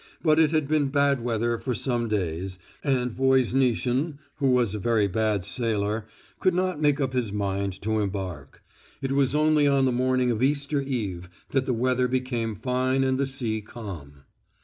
But it had been bad weather for some days, and Voznitsin, who was a very bad sailor, could not make up his mind to embark. It was only on the morning of Easter Eve that the weather became fine and the sea calm.